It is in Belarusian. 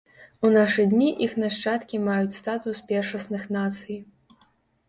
У нашы дні іх нашчадкі маюць статус першасных нацый.